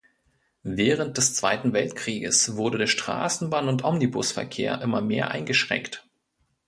Während des Zweiten Weltkrieges wurde der Straßenbahn- und Omnibusverkehr immer mehr eingeschränkt.